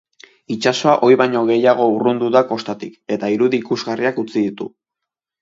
Itsasoa ohi baino gehiago urrundu da kostatik eta irudi ikusgarriak utzi ditu.